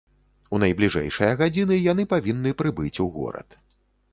У найбліжэйшыя гадзіны яны павінны прыбыць у горад.